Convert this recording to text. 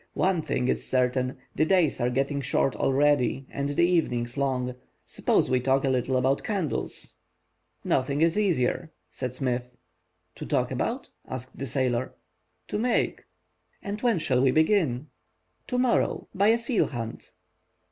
One thing is certain, the days are getting short already and the evenings long. Suppose we talk a little about candles." "Nothing is easier," said Smith. "To talk about?" asked the sailor. "To make." "And when shall we begin?" "To morrow, by a seal hunt."